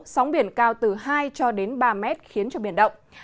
sóng biển cao từ hai cho đến ba mét khiến cho biển động